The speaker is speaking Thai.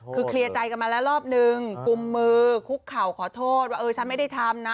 คือเคลียร์ใจกันมาแล้วรอบนึงกุมมือคุกเข่าขอโทษว่าเออฉันไม่ได้ทำนะ